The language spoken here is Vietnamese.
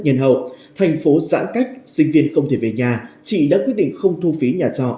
nhân hậu thành phố giãn cách sinh viên không thể về nhà chị đã quyết định không thu phí nhà trọ